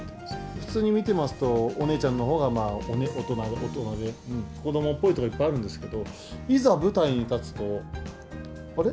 普通に見てますと、お姉ちゃんのほうが大人で、子どもっぽいところもいっぱいあるんですけど、いざ舞台に立つと、あれ？